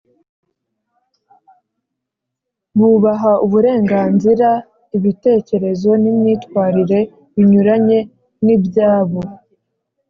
bubaha uburenganzira, ibitekerezo n’imyitwarire binyuranye n’ibyabo.